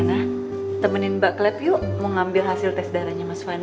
nah temenin mbak klab yuk mau ngambil hasil tes darahnya mas fadli